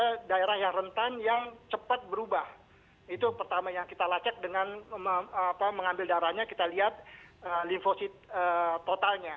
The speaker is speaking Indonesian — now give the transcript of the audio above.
jadi jaringan itu adalah daerah yang rentan yang cepat berubah itu pertama yang kita lacak dengan mengambil darahnya kita lihat limfosit totalnya